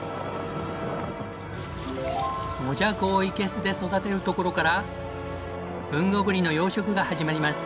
モジャコを生け簀で育てるところから豊後ぶりの養殖が始まります。